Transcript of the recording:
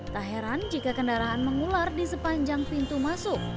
tak heran jika kendaraan mengular di sepanjang pintu masuk